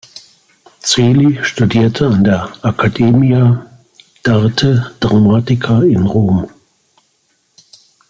Celi studierte an der "Accademia d'Arte Drammatica" in Rom.